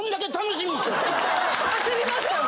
焦りましたよ